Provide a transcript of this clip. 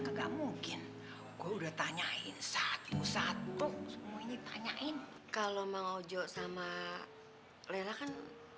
enggak mungkin gua udah tanyain satu satu semuanya tanyain kalau mau jok sama lelah kan